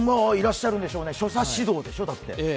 いらっしゃるんでしょうね、所作指導でしょ。